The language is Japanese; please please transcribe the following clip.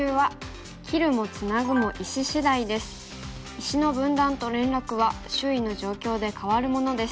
石の分断と連絡は周囲の状況で変わるものです。